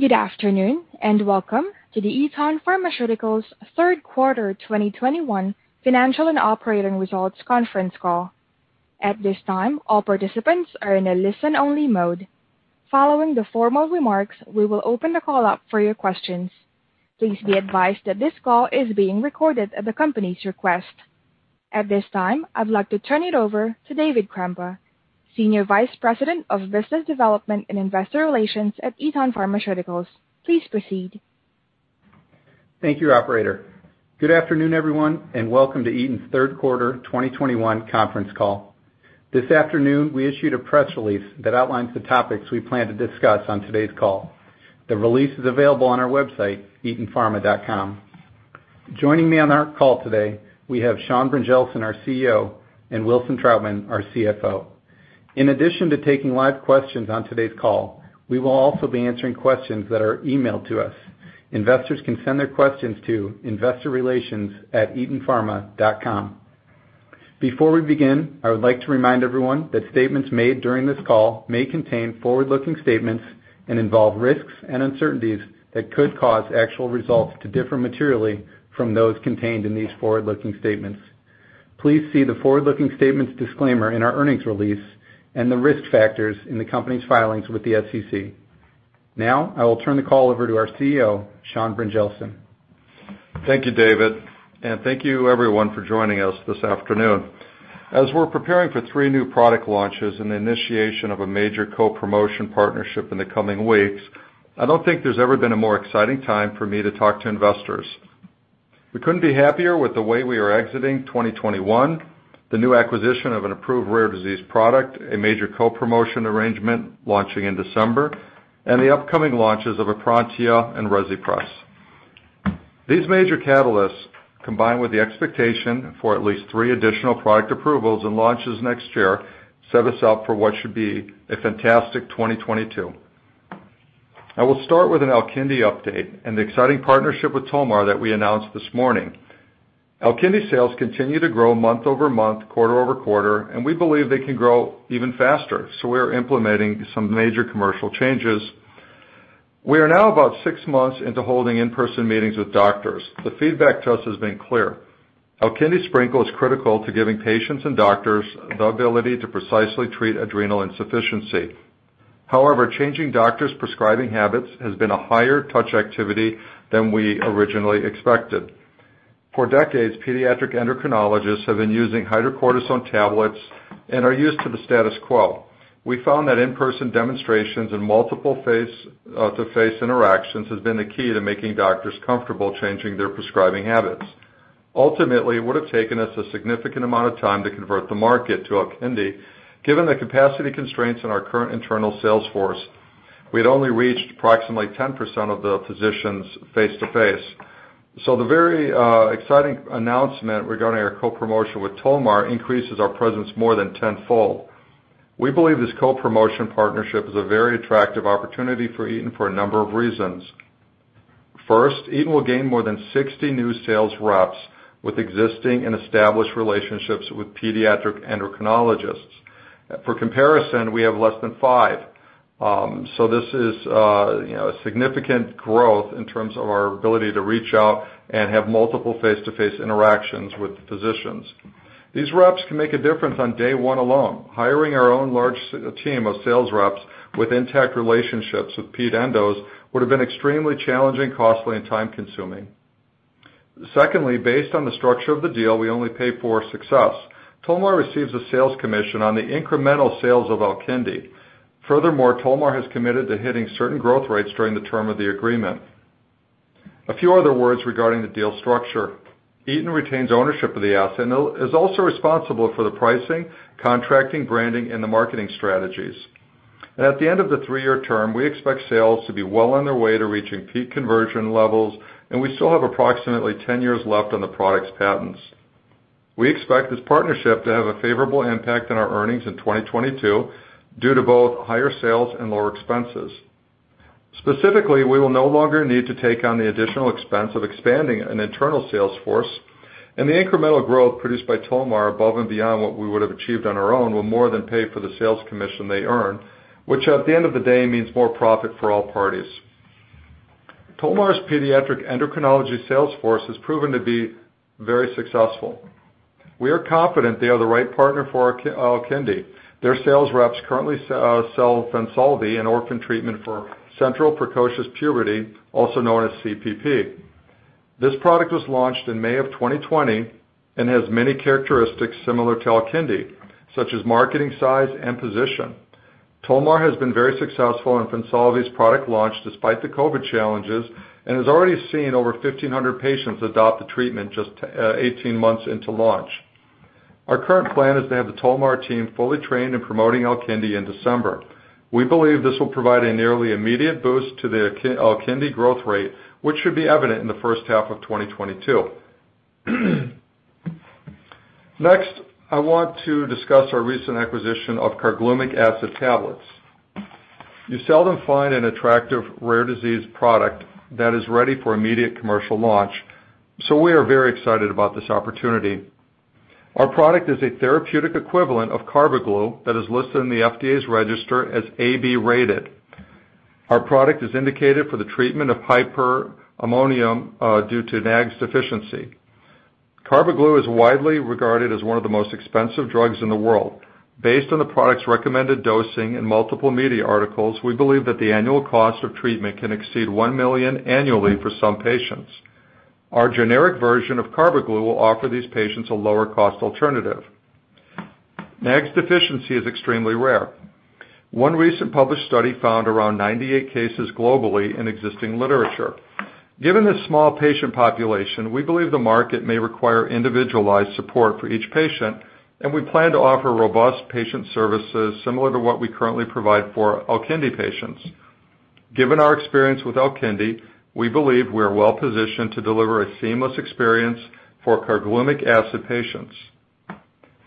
Good afternoon, and welcome to the Eton Pharmaceuticals third quarter 2021 financial and operating results conference call. At this time, all participants are in a listen-only mode. Following the formal remarks, we will open the call up for your questions. Please be advised that this call is being recorded at the company's request. At this time, I'd like to turn it over to David Krempa, Senior Vice President of Business Development and Investor Relations at Eton Pharmaceuticals. Please proceed. Thank you, operator. Good afternoon, everyone, and welcome to Eton's third quarter 2021 conference call. This afternoon, we issued a press release that outlines the topics we plan to discuss on today's call. The release is available on our website, etonpharma.com. Joining me on our call today, we have Sean Brynjelsen, our CEO, and Wilson Troutman, our CFO. In addition to taking live questions on today's call, we will also be answering questions that are emailed to us. Investors can send their questions to investorrelations@etonpharma.com. Before we begin, I would like to remind everyone that statements made during this call may contain forward-looking statements and involve risks and uncertainties that could cause actual results to differ materially from those contained in these forward-looking statements. Please see the forward-looking statements disclaimer in our earnings release and the risk factors in the company's filings with the SEC. Now, I will turn the call over to our CEO, Sean Brynjelsen. Thank you, David. Thank you everyone for joining us this afternoon. As we're preparing for three new product launches and the initiation of a major co-promotion partnership in the coming weeks, I don't think there's ever been a more exciting time for me to talk to investors. We couldn't be happier with the way we are exiting 2021, the new acquisition of an approved rare disease product, a major co-promotion arrangement launching in December, and the upcoming launches of EPRONTIA and Rezipres. These major catalysts, combined with the expectation for at least three additional product approvals and launches next year, set us up for what should be a fantastic 2022. I will start with an Alkindi update and the exciting partnership with Tolmar that we announced this morning. Alkindi sales continue to grow month-over-month, quarter-over-quarter, and we believe they can grow even faster. We are implementing some major commercial changes. We are now about six months into holding in-person meetings with doctors. The feedback to us has been clear. Alkindi Sprinkle is critical to giving patients and doctors the ability to precisely treat adrenal insufficiency. However, changing doctors' prescribing habits has been a higher touch activity than we originally expected. For decades, pediatric endocrinologists have been using hydrocortisone tablets and are used to the status quo. We found that in-person demonstrations and multiple face to face interactions has been the key to making doctors comfortable changing their prescribing habits. Ultimately, it would have taken us a significant amount of time to convert the market to Alkindi. Given the capacity constraints in our current internal sales force, we had only reached approximately 10% of the physicians face to face. The very exciting announcement regarding our co-promotion with Tolmar increases our presence more than tenfold. We believe this co-promotion partnership is a very attractive opportunity for Eton for a number of reasons. First, Eton will gain more than 60 new sales reps with existing and established relationships with pediatric endocrinologists. For comparison, we have less than 5. This is, you know, a significant growth in terms of our ability to reach out and have multiple face-to-face interactions with the physicians. These reps can make a difference on day one alone. Hiring our own large team of sales reps with intact relationships with ped endos would have been extremely challenging, costly and time consuming. Secondly, based on the structure of the deal, we only pay for success. Tolmar receives a sales commission on the incremental sales of Alkindi. Furthermore, Tolmar has committed to hitting certain growth rates during the term of the agreement. A few other words regarding the deal structure. Eton retains ownership of the asset and is also responsible for the pricing, contracting, branding, and the marketing strategies. At the end of the 3-year term, we expect sales to be well on their way to reaching peak conversion levels, and we still have approximately 10 years left on the product's patents. We expect this partnership to have a favorable impact on our earnings in 2022 due to both higher sales and lower expenses. Specifically, we will no longer need to take on the additional expense of expanding an internal sales force, and the incremental growth produced by Tolmar above and beyond what we would have achieved on our own will more than pay for the sales commission they earn, which at the end of the day, means more profit for all parties. Tolmar's pediatric endocrinology sales force has proven to be very successful. We are confident they are the right partner for Alkindi. Their sales reps currently sell Fensolvi, an orphan treatment for central precocious puberty, also known as CPP. This product was launched in May of 2020 and has many characteristics similar to Alkindi, such as marketing size and position. Tolmar has been very successful in Fensolvi's product launch despite the COVID challenges, and has already seen over 1,500 patients adopt the treatment just 18 months into launch. Our current plan is to have the Tolmar team fully trained in promoting Alkindi in December. We believe this will provide a nearly immediate boost to the Alkindi growth rate, which should be evident in the first half of 2022. Next, I want to discuss our recent acquisition of carglumic acid tablets. You seldom find an attractive rare disease product that is ready for immediate commercial launch, so we are very excited about this opportunity. Our product is a therapeutic equivalent of Carbaglu that is listed in the FDA's register as AB rated. Our product is indicated for the treatment of hyperammonemia due to NAGS deficiency. Carbaglu is widely regarded as one of the most expensive drugs in the world. Based on the product's recommended dosing in multiple media articles, we believe that the annual cost of treatment can exceed $1 million annually for some patients. Our generic version of Carbaglu will offer these patients a lower cost alternative. NAGS deficiency is extremely rare. One recent published study found around 98 cases globally in existing literature. Given this small patient population, we believe the market may require individualized support for each patient, and we plan to offer robust patient services similar to what we currently provide for Alkindi patients. Given our experience with Alkindi, we believe we are well-positioned to deliver a seamless experience for carglumic acid patients.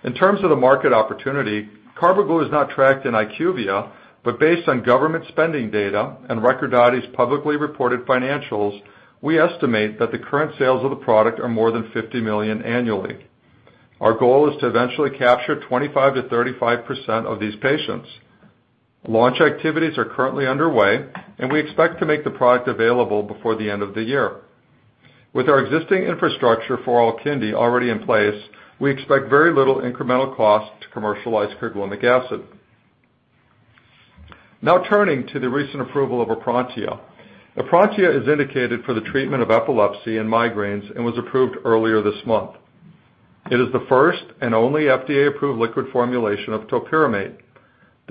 In terms of the market opportunity, Carbaglu is not tracked in IQVIA, but based on government spending data and Recordati's publicly reported financials, we estimate that the current sales of the product are more than $50 million annually. Our goal is to eventually capture 25%-35% of these patients. Launch activities are currently underway, and we expect to make the product available before the end of the year. With our existing infrastructure for Alkindi already in place, we expect very little incremental cost to commercialize carglumic acid. Now turning to the recent approval of EPRONTIA. EPRONTIA is indicated for the treatment of epilepsy and migraines and was approved earlier this month. It is the first and only FDA-approved liquid formulation of topiramate.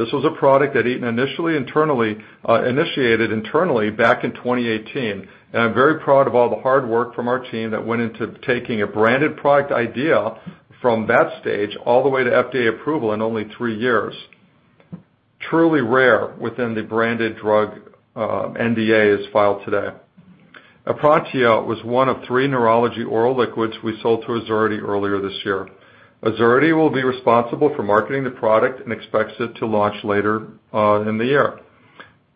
This was a product that Eton initially internally initiated back in 2018, and I'm very proud of all the hard work from our team that went into taking a branded product idea from that stage all the way to FDA approval in only three years. Truly rare within the branded drug NDAs filed today. EPRONTIA was one of three neurology oral liquids we sold to Azurity earlier this year. Azurity will be responsible for marketing the product and expects it to launch later in the year.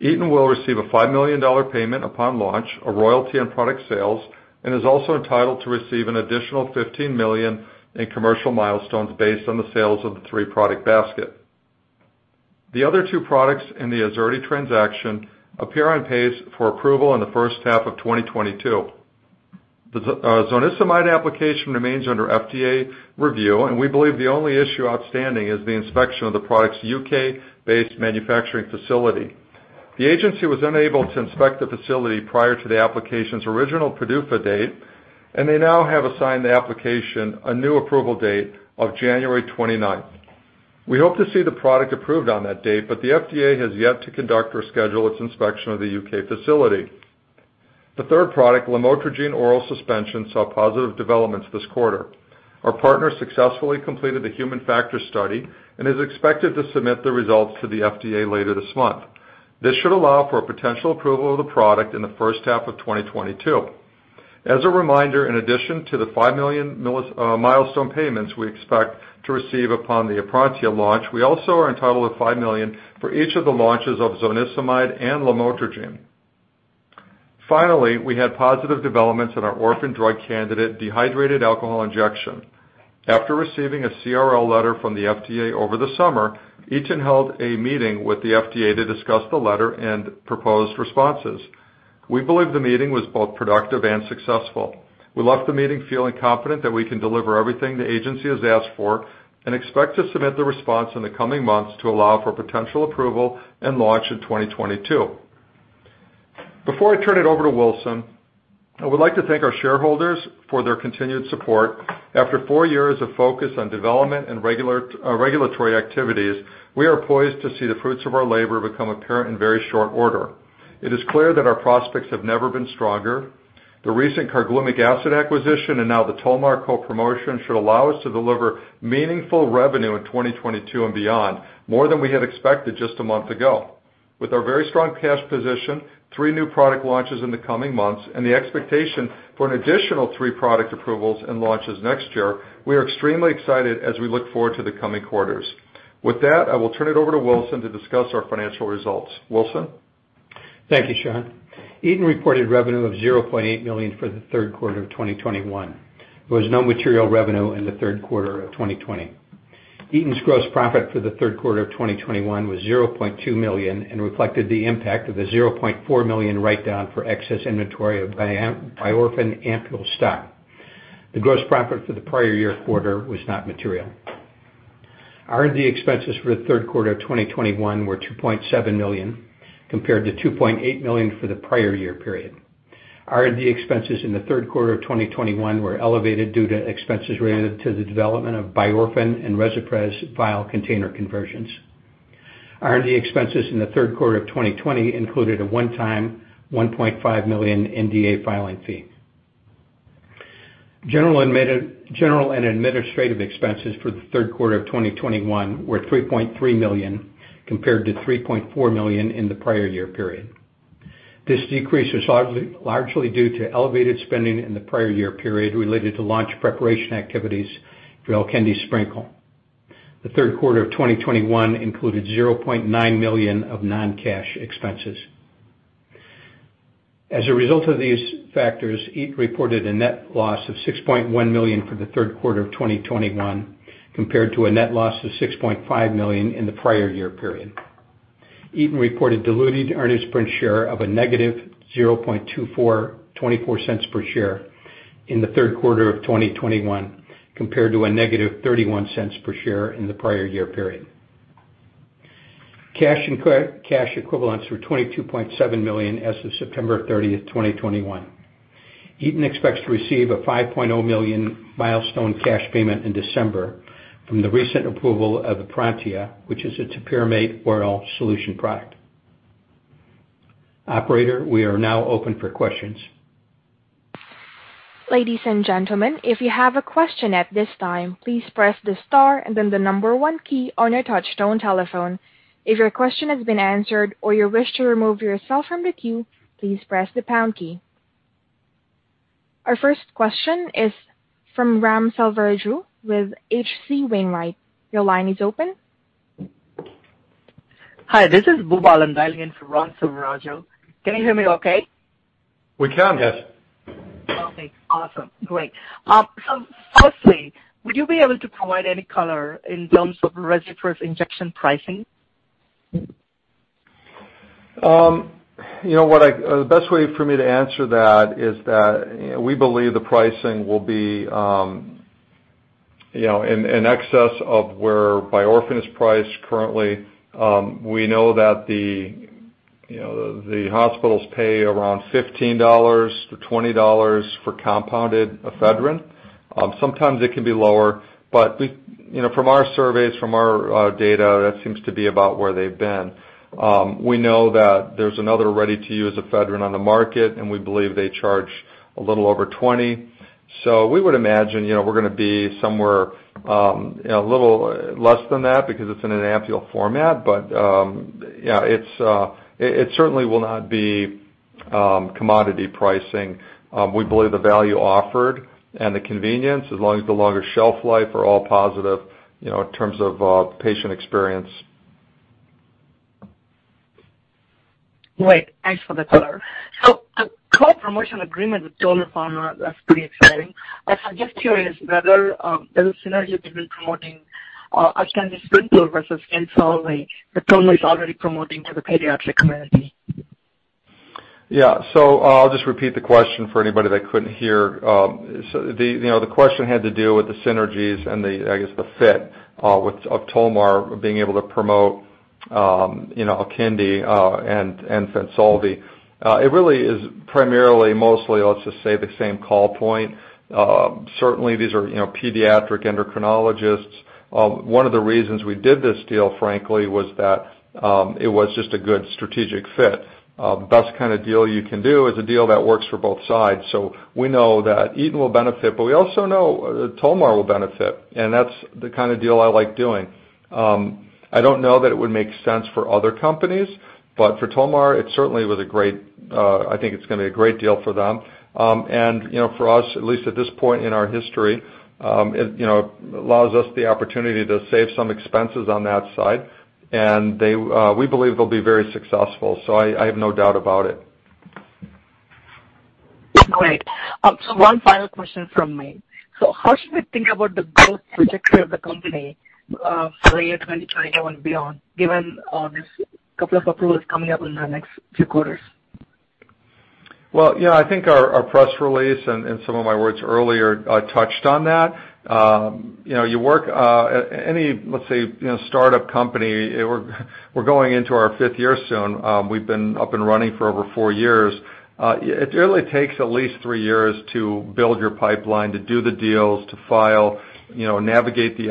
Eton will receive a $5 million payment upon launch, a royalty on product sales, and is also entitled to receive an additional $15 million in commercial milestones based on the sales of the three-product basket. The other two products in the Azurity transaction appear on pace for approval in the first half of 2022. The zonisamide application remains under FDA review, and we believe the only issue outstanding is the inspection of the product's U.K.-based manufacturing facility. The agency was unable to inspect the facility prior to the application's original PDUFA date, and they now have assigned the application a new approval date of January twenty-ninth. We hope to see the product approved on that date, but the FDA has yet to conduct or schedule its inspection of the U.K. facility. The third product, lamotrigine oral suspension, saw positive developments this quarter. Our partner successfully completed the human factors study and is expected to submit the results to the FDA later this month. This should allow for a potential approval of the product in the first half of 2022. As a reminder, in addition to the $5 million milestone payments we expect to receive upon the EPRONTIA launch, we also are entitled to $5 million for each of the launches of zonisamide and lamotrigine. Finally, we had positive developments in our orphan drug candidate, dehydrated alcohol injection. After receiving a CRL letter from the FDA over the summer, Eton held a meeting with the FDA to discuss the letter and proposed responses. We believe the meeting was both productive and successful. We left the meeting feeling confident that we can deliver everything the agency has asked for and expect to submit the response in the coming months to allow for potential approval and launch in 2022. Before I turn it over to Wilson, I would like to thank our shareholders for their continued support. After four years of focus on development and regular regulatory activities, we are poised to see the fruits of our labor become apparent in very short order. It is clear that our prospects have never been stronger. The recent carglumic acid acquisition and now the Tolmar co-promotion should allow us to deliver meaningful revenue in 2022 and beyond, more than we had expected just a month ago. With our very strong cash position, three new product launches in the coming months, and the expectation for an additional three product approvals and launches next year, we are extremely excited as we look forward to the coming quarters. With that, I will turn it over to Wilson to discuss our financial results. Wilson? Thank you, Sean. Eton reported revenue of $0.8 million for the third quarter of 2021. There was no material revenue in the third quarter of 2020. Eton's gross profit for the third quarter of 2021 was $0.2 million and reflected the impact of the $0.4 million write-down for excess inventory of Biorphen ampoule stock. The gross profit for the prior year quarter was not material. R&D expenses for the third quarter of 2021 were $2.7 million, compared to $2.8 million for the prior year period. R&D expenses in the third quarter of 2021 were elevated due to expenses related to the development of Biorphen and Rezipres vial container conversions. R&D expenses in the third quarter of 2020 included a one-time $1.5 million NDA filing fee. General and administrative expenses for the third quarter of 2021 were $3.3 million, compared to $3.4 million in the prior year period. This decrease was largely due to elevated spending in the prior year period related to launch preparation activities for Alkindi Sprinkle. The third quarter of 2021 included $0.9 million of non-cash expenses. As a result of these factors, Eton reported a net loss of $6.1 million for Q3 2021 compared to a net loss of $6.5 million in the prior year period. Eton reported diluted earnings per share of -$0.24 cents per share in Q3 2021 compared to -$0.31 per share in the prior year period. Cash and cash equivalents were $22.7 million as of September 30, 2021. Eton expects to receive a $5.0 million milestone cash payment in December from the recent approval of EPRONTIA, which is its topiramate oral solution product. Operator, we are now open for questions. Ladies and gentlemen, if you have a question at this time, please press the star and then the 1 key on your touchtone telephone. If your question has been answered or you wish to remove yourself from the queue, please press the pound key. Our first question is from Sean Brynjelsen with H.C. Wainwright. Your line is open. Hi, this is Sean Brynjelsen. I'm dialing in for Sean Brynjelsen. Can you hear me okay? We can. Yes. Okay. Awesome. Great. Firstly, would you be able to provide any color in terms of Rezipres's injection pricing? You know, the best way for me to answer that is that we believe the pricing will be, you know, in excess of where Biorphen is priced currently. We know that, you know, the hospitals pay around $15-$20 for compounded ephedrine. Sometimes it can be lower, but you know, from our surveys, from our data, that seems to be about where they've been. We know that there's another ready-to-use ephedrine on the market, and we believe they charge a little over $20. We would imagine, you know, we're gonna be somewhere, a little less than that because it's in an ampoule format. Yeah, it certainly will not be commodity pricing. We believe the value offered and the convenience as long as the longer shelf life are all positive, you know, in terms of patient experience. Great. Thanks for the color. The co-promotion agreement with Tolmar, that's pretty exciting. I'm just curious whether there's synergy between promoting Alkindi Sprinkle versus Fensolvi that Tolmar is already promoting to the pediatric community. Yeah. I'll just repeat the question for anybody that couldn't hear. The, you know, the question had to do with the synergies and the, I guess, the fit of Tolmar being able to promote, you know, Alkindi and Fensolvi. It really is primarily mostly, let's just say, the same call point. Certainly, these are, you know, pediatric endocrinologists. One of the reasons we did this deal, frankly, was that, it was just a good strategic fit. Best kind of deal you can do is a deal that works for both sides. We know that Eton will benefit, but we also know Tolmar will benefit, and that's the kind of deal I like doing. I don't know that it would make sense for other companies, but for Tolmar, it certainly was a great, I think it's gonna be a great deal for them. You know, for us, at least at this point in our history, it, you know, allows us the opportunity to save some expenses on that side. They, we believe they'll be very successful, so I have no doubt about it. Great. One final question from me. How should we think about the growth trajectory of the company for the year 2021 and beyond, given this couple of approvals coming up in the next few quarters? Well, you know, I think our press release and some of my words earlier touched on that. You know, you work at any, let's say, startup company, we're going into our fifth year soon. We've been up and running for over four years. It really takes at least three years to build your pipeline, to do the deals, to file, you know, navigate the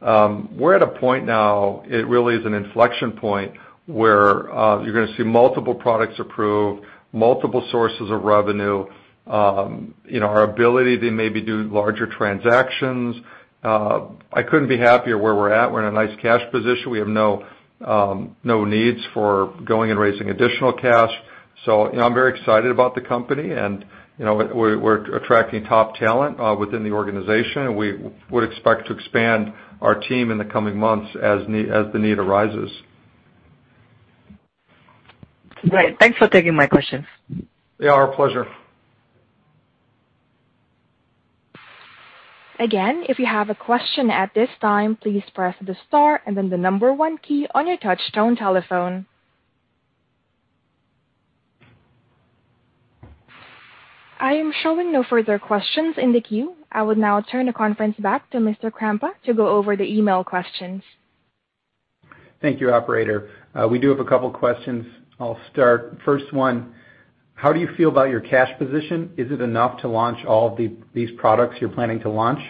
FDA. We're at a point now, it really is an inflection point, where you're gonna see multiple products approved, multiple sources of revenue, you know, our ability to maybe do larger transactions. I couldn't be happier where we're at. We're in a nice cash position. We have no needs for going and raising additional cash. You know, I'm very excited about the company and, you know, we're attracting top talent within the organization, and we would expect to expand our team in the coming months as the need arises. Great. Thanks for taking my questions. Yeah. Our pleasure. If you have a question at this time, please press the star and then the number one key on your touchtone telephone. I am showing no further questions in the queue. I would now turn the conference back to Mr. Krempa to go over the email questions. Thank you, operator. We do have a couple questions. I'll start. First one, how do you feel about your cash position? Is it enough to launch all of these products you're planning to launch?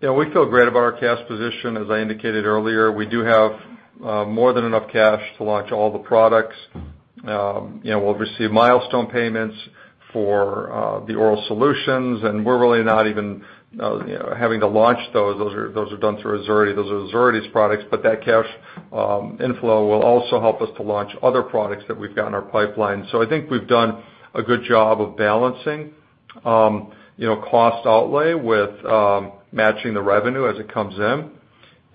Yeah, we feel great about our cash position. As I indicated earlier, we do have more than enough cash to launch all the products. You know, we'll receive milestone payments for the oral solutions, and we're really not even, you know, having to launch those. Those are done through Azurity. Those are Azurity's products. But that cash inflow will also help us to launch other products that we've got in our pipeline. So I think we've done a good job of balancing, you know, cost outlay with matching the revenue as it comes in.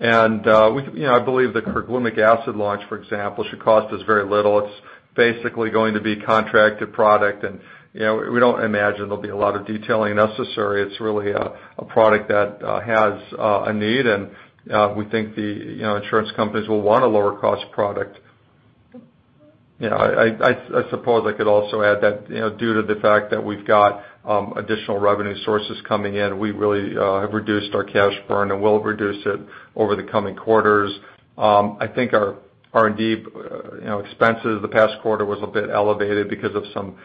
We, you know, I believe the carglumic acid launch, for example, should cost us very little. It's basically going to be contracted product and, you know, we don't imagine there'll be a lot of detailing necessary. It's really a product that has a need and we think, you know, the insurance companies will want a lower cost product. Yeah, I suppose I could also add that, you know, due to the fact that we've got additional revenue sources coming in, we really have reduced our cash burn and will reduce it over the coming quarters. I think our R&D, you know, expenses the past quarter was a bit elevated because of some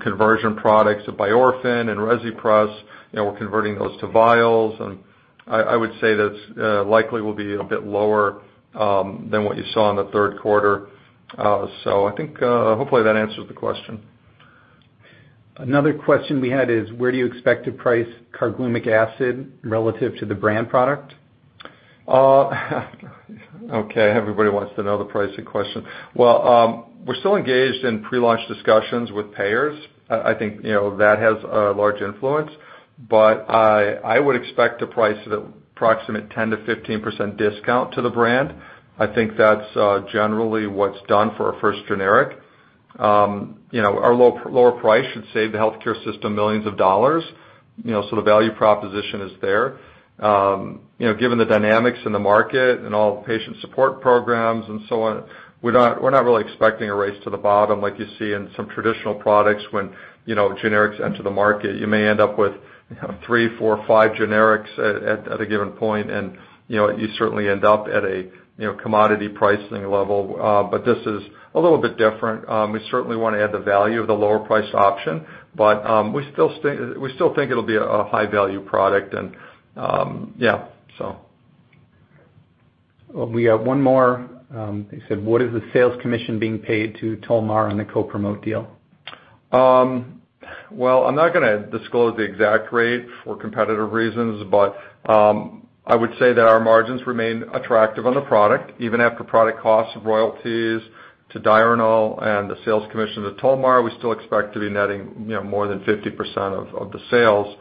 conversion products, the Biorphen and Rezipres, you know, we're converting those to vials and I would say that likely will be a bit lower than what you saw in the third quarter. I think hopefully that answers the question. Another question we had is where do you expect to price carglumic acid relative to the brand product? Okay, everybody wants to know the pricing question. Well, we're still engaged in pre-launch discussions with payers. I think, you know, that has a large influence. I would expect to price it at approximate 10%-15% discount to the brand. I think that's generally what's done for a first generic. You know, our lower price should save the healthcare system $ millions, you know, so the value proposition is there. You know, given the dynamics in the market and all the patient support programs and so on, we're not really expecting a race to the bottom like you see in some traditional products when, you know, generics enter the market. You may end up with, you know, 3, 4, 5 generics at a given point and, you know, you certainly end up at a, you know, commodity pricing level, but this is a little bit different. We certainly wanna add the value of the lower price option, but we still think it'll be a high value product and, yeah, so. We have one more. They said, "What is the sales commission being paid to Tolmar on the co-promote deal? Well, I'm not gonna disclose the exact rate for competitive reasons, but I would say that our margins remain attractive on the product. Even after product costs of royalties to Diurnal and the sales commission to Tolmar, we still expect to be netting, you know, more than 50% of the sales.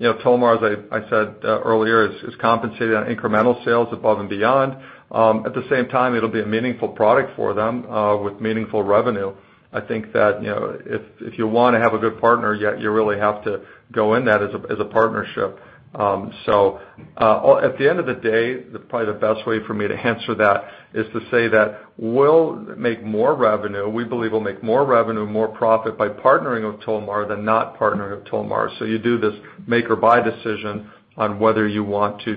You know, Tolmar, as I said earlier, is compensated on incremental sales above and beyond. At the same time, it'll be a meaningful product for them, with meaningful revenue. I think that, you know, if you wanna have a good partner, yet you really have to go in that as a partnership. At the end of the day, probably the best way for me to answer that is to say that we'll make more revenue. We believe we'll make more revenue, more profit by partnering with Tolmar than not partnering with Tolmar. You do this make or buy decision on whether you want to,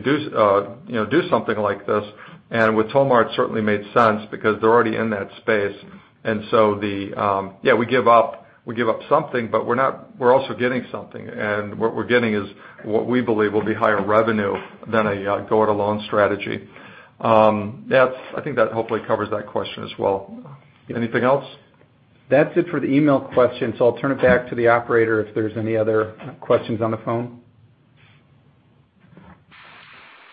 you know, do something like this. With Tolmar, it certainly made sense because they're already in that space. Yeah, we give up something, but we're also getting something, and what we're getting is what we believe will be higher revenue than a go it alone strategy. That's, I think, that hopefully covers that question as well. Anything else? That's it for the email questions. I'll turn it back to the operator if there's any other questions on the phone.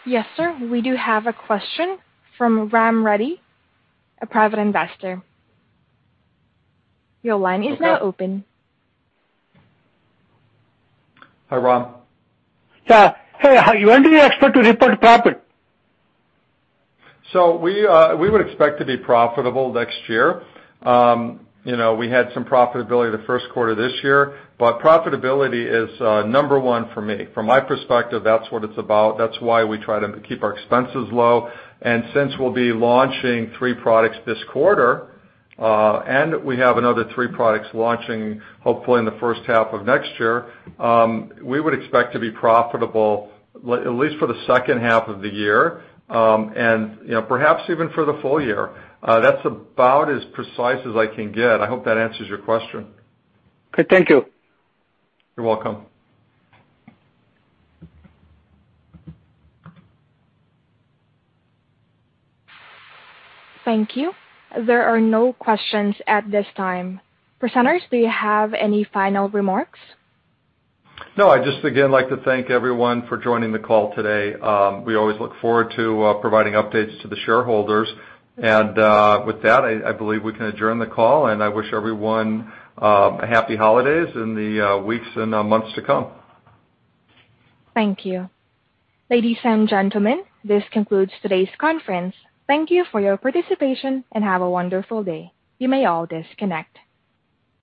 Yes, sir. We do have a question from Ram Reddy, a private investor. Your line is now open. Hi, Ram. Yeah. Hey, when do you expect to report profit? We would expect to be profitable next year. You know, we had some profitability the first quarter this year, but profitability is number one for me. From my perspective, that's what it's about. That's why we try to keep our expenses low. Since we'll be launching three products this quarter, and we have another three products launching hopefully in the first half of next year, we would expect to be profitable at least for the second half of the year, and, you know, perhaps even for the full year. That's about as precise as I can get. I hope that answers your question. Okay. Thank you. You're welcome. Thank you. There are no questions at this time. Presenters, do you have any final remarks? No. I'd just again like to thank everyone for joining the call today. We always look forward to providing updates to the shareholders. With that, I believe we can adjourn the call, and I wish everyone happy holidays in the weeks and months to come. Thank you. Ladies and gentlemen, this concludes today's conference. Thank you for your participation and have a wonderful day. You may all disconnect.